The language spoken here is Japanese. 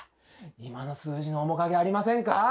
今の数字の面影ありませんか？